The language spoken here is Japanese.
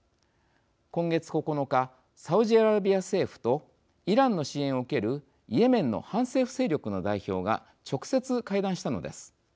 今月９日、サウジアラビア政府とイランの支援を受けるイエメンの反政府勢力の代表が直接会談したのです。